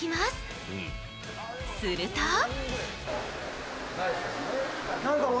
すると